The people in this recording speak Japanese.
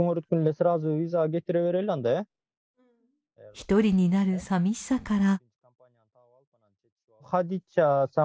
一人になる寂しさから。